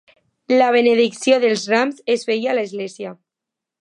La benedicció dels rams es feia a l'església.